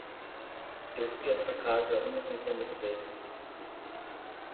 Eu fui a sua casa uma centena de vezes.